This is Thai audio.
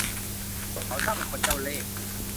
เขาช่างเป็นคนเจ้าเล่ห์